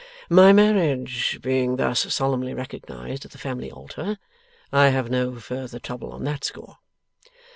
My marriage being thus solemnly recognized at the family altar, I have no further trouble on that score.